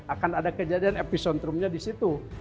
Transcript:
akan ada kejadian episontrumnya di situ